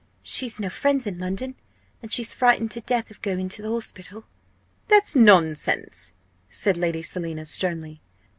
She's no friends in London, and she's frightened to death of going to the hospital." "That's nonsense!" said Lady Selina, sternly.